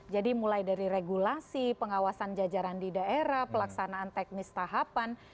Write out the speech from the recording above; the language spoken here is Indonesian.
jadi mulai dari regulasi pengawasan jajaran di daerah pelaksanaan teknis tahapan